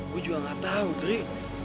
gua juga gak tau tri